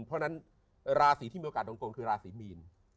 เพราะฉะนั้นลาสีที่ช่วยมีโอกาสโดนโกงคือลาสีมีล